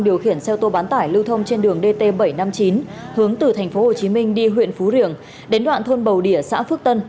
điều khiển xe ô tô bán tải lưu thông trên đường dt bảy trăm năm mươi chín hướng từ tp hcm đi huyện phú riềng đến đoạn thôn bầu đỉa xã phước tân